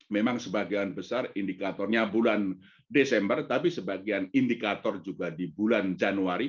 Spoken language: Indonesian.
memang sebagian besar indikatornya bulan desember tapi sebagian indikator juga di bulan januari